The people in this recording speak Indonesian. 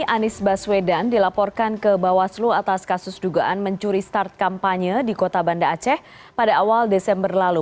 anies baswedan dilaporkan ke bawaslu atas kasus dugaan mencuri start kampanye di kota banda aceh pada awal desember lalu